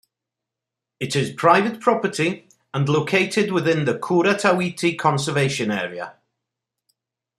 It is private property and located within the Kura Tawhiti Conservation Area.